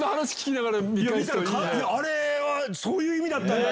あれはそういう意味だったんだ！